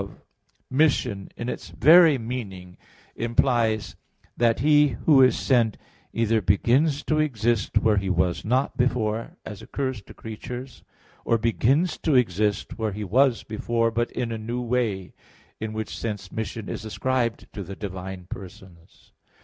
3, 4 ,5), mission in its very meaning implies that he who is sent either begins to exist where he was not before, as occurs to creatures; or begins to exist where he was before, but in a new way, in which sense mission is ascribed to the divine persons.